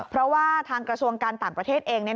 เพราะว่าทางกระทรวงการต่างประเทศเอง